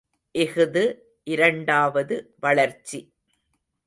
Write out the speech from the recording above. இஃது இரண்டாவது வளர்ச்சி.